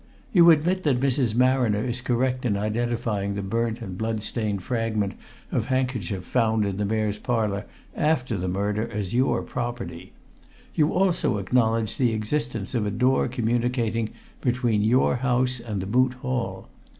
You admit that Mrs. Marriner is correct in identifying the burnt and blood stained fragment of handkerchief found in the Mayor's Parlour after the murder as your property; you also acknowledge the existence of a door communicating between your house and the Moot Hall.